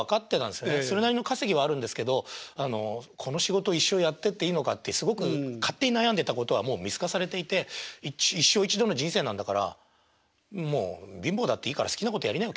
それなりの稼ぎはあるんですけどこの仕事一生やってっていいのかってすごく勝手に悩んでたことはもう見透かされていて一生一度の人生なんだからもう貧乏だっていいから好きなことやりなよ